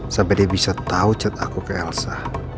sampai dia bisa tau chat aku ke elsa